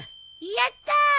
やったー！